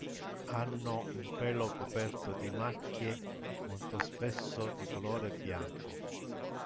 Hanno un pelo coperto di macchie molto spesso di colore bianco.